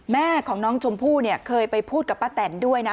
แม่ของน้องชมพู่เนี่ยเคยไปพูดกับป้าแตนด้วยนะ